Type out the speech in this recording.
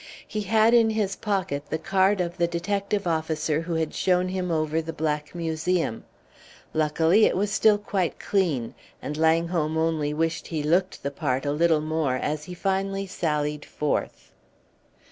He had in his pocket the card of the detective officer who had shown him over the Black Museum; luckily it was still quite clean; and Langholm only wished he looked the part a little more as he finally sallied forth.